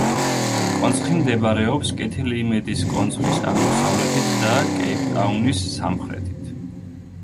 კონცხი მდებარეობს კეთილი იმედის კონცხის აღმოსავლეთით და კეიპტაუნის სამხრეთით.